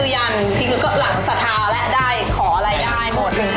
อย่างปลงเอาไว้ที่